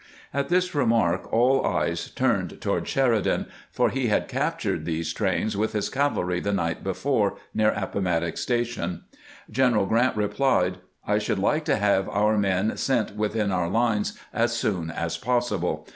At this remark all eyes turned toward Sheridan, for he had captured these trains with his cavalry the night before near Appomattox Station. General Grant re plied :" I should like to have our men sent within our lines as soon as possible.